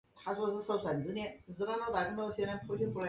与妻子郑景顺常共同撰写电视剧剧本。